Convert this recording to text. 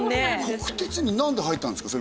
国鉄に何で入ったんですか？